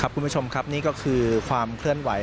คุณผู้ชมครับนี่ก็คือความเคลื่อนไหว